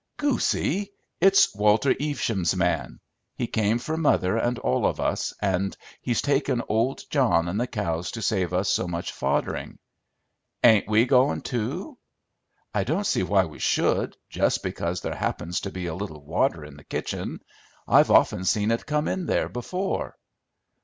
"Goosey! It's Walter Evesham's man. He came for mother and all of us, and he's taken old John and the cows to save us so much foddering." "Ain't we going too?" "I don't see why we should, just because there happens to be a little water in the kitchen. I've often seen it come in there before."